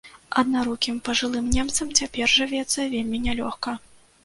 Аднарукім пажылым немцам цяпер жывецца вельмі нялёгка.